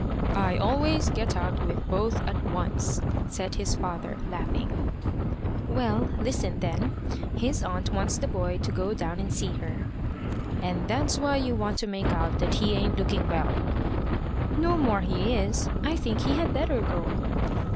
"I always get out with both at once," said his father, laughing. "Well, listen then. His aunt wants the boy to go down and see her." "And that's why you want to make out that he ain't looking well." "No more he is. I think he had better go."